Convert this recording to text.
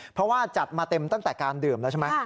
เพราะว่าจัดมาเต็มตั้งแต่การดื่มแล้วใช่ไหม